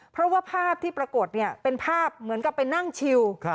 เพราะว่าภาพที่ปรากฏเป็นภาพเหมือนกับไปนั่งชิว